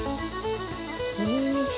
新見市。